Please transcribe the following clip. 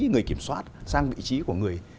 người kiểm soát sang vị trí của người